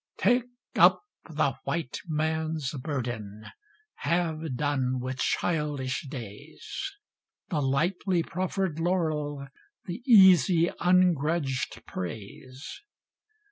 Take up the White Man's burden Have done with childish days The lightly proffered laurel The easy, ungrudged praise.